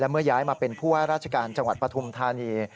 เมื่อย้ายมาเป็นผู้ว่าราชการจังหวัดปฐุมธานี